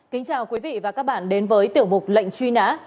kính chào quý vị và các bạn đến với tiểu mục lệnh truy nã